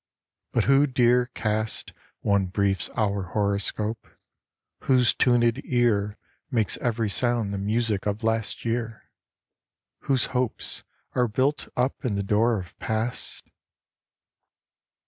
But who dare cast One brief hour's horoscope, whose tuned ear Makes every sound the music of last year? Whose hopes are built up in the door of Past